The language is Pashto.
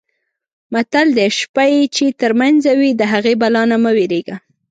متل دی: شپه یې چې ترمنځه وي د هغې بلا نه مه وېرېږه.